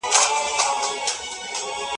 ذهن چي صفا وي خیالات به صفا وي.